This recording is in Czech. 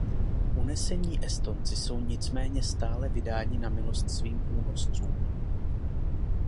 Unesení Estonci jsou nicméně stále vydáni na milost svým únoscům.